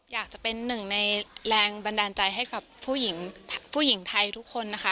อยากจะเป็นหนึ่งในแรงบันดาลใจให้กับผู้หญิงผู้หญิงไทยทุกคนนะคะ